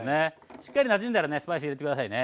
しっかりなじんだらスパイス入れて下さいね。